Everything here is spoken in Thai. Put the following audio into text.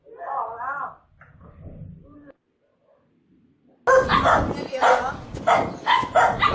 แคล้วแคล้ว